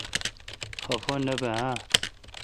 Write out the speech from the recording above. خفہ نہ بہ اؘ۔